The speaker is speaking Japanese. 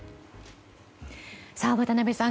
渡辺さん